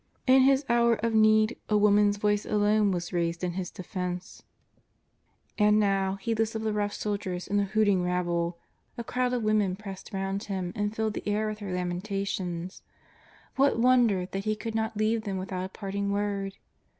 In His hour of need a woman's voice alone was raised in His defence. And JESUS OF NAZARETH. 359 now, heedless of the rough soldiers and the hooting rab ble, a crowd of women pressed round Him and filled the air with their lamentations. What wonder that He could not leave them without a parting word